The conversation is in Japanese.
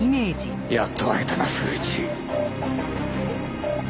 やっと会えたな古市。